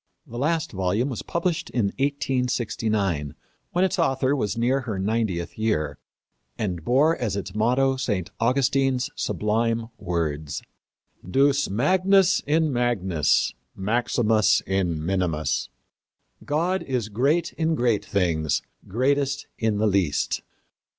The last volume was published in 1869, when its author was near her ninetieth year, and bore as its motto St. Augustine's sublime words: Deus magnus in magnis, maximus in minimis God is great in great things, greatest in the least.